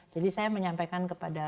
jadi saya menyampaikan kepada